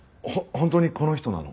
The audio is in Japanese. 本当にこの人なの？